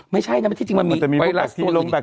ไม่ใช่นะที่จริงมันมีไวรัสตัวอื่นเต็มไปหมด